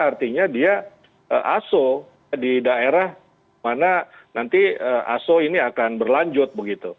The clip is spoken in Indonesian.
artinya dia aso di daerah mana nanti aso ini akan berlanjut begitu